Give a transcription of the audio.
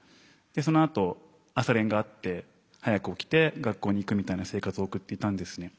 そのあと朝練があって早く起きて学校に行くみたいな生活を送っていたんですね。